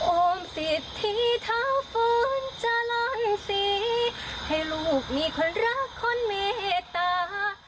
โอมสิทธิเท้าฟื้นจะลอยสีให้ลูกมีคนรักคนเมตตา